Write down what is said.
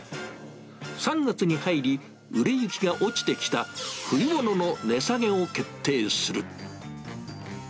３月に入り、売れ行きが落ちてきた冬物の値下げを決定する。